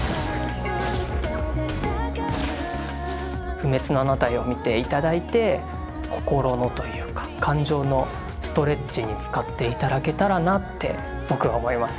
「不滅のあなたへ」を見て頂いて心のというか感情のストレッチに使って頂けたらなって僕は思います。